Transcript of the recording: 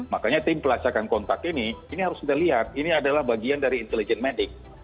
makanya tim pelacakan kontak ini ini harus kita lihat ini adalah bagian dari intelijen medik